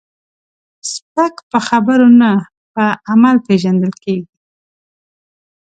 سپک په خبرو نه، په عمل پیژندل کېږي.